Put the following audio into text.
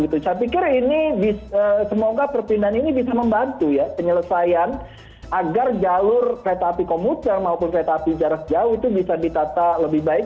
saya pikir ini semoga perpindahan ini bisa membantu ya penyelesaian agar jalur kereta api komuter maupun kereta api jarak jauh itu bisa ditata lebih baik